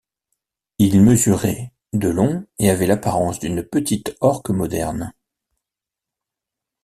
Il mesurait de long et avait l'apparence d'une petite orque moderne.